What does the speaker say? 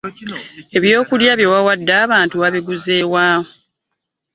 Ebyokulya bwe wawadde abantu wabiguze wa?